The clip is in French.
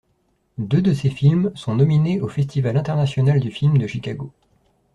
Deux de ses films sont nominés au Festival international du film de Chicago.